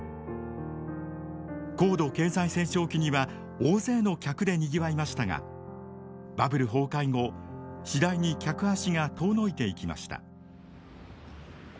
高度経済成長期には大勢の客でにぎわいましたがバブル崩壊後次第に客足が遠のいていきました。